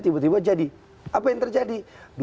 tiba tiba jadi apa yang terjadi